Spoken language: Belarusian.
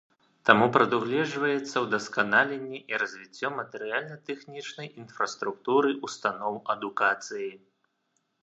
Таму прадугледжваецца ўдасканаленне і развіццё матэрыяльна-тэхнічнай інфраструктуры ўстановаў адукацыі.